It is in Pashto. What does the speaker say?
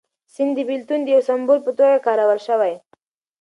سیند د بېلتون د یو سمبول په توګه کارول شوی.